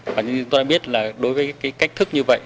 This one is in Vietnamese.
và như chúng ta biết là đối với cái cách thức như vậy